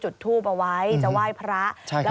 จุดทูปเอาไว้จะไหว้พระ